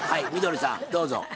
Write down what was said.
みどりさんどうぞ。